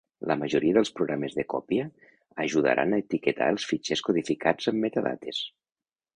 La majoria dels programes de còpia ajudaran a etiquetar els fitxers codificats amb metadades.